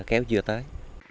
kéo chưa tới